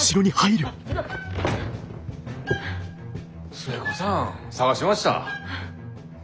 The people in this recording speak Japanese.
寿恵子さん捜しました。